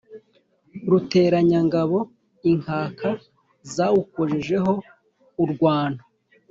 Ruteranyangabo, inkaka zawukojejeho urwano